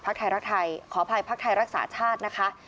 ภักดิ์ไทยรักษาไทยขออภัยภักดิ์ไทยรักษาชาตินะคะ